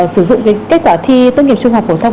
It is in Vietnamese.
sử dụng cái kết quả thi tốt nghiệp trung học phổ thông